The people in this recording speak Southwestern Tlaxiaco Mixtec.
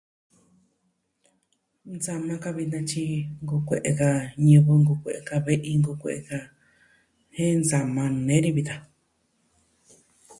Nsama ka vitan tyi nkoo kue'e ka ñivɨ, nkoo kue'e ka ve'i, nkoo kue'e ka. Jen nsama nee ni vitan.